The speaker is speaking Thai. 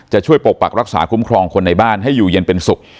ช่วยปกปักรักษาคุ้มครองคนในบ้านให้อยู่เย็นเป็นสุข